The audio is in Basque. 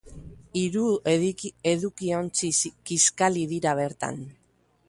Hiru edukiontzi kiskali dira bertan.